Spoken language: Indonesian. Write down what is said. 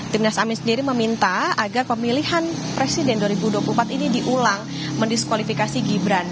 timnas amin sendiri meminta agar pemilihan presiden dua ribu dua puluh empat ini diulang mendiskualifikasi gibran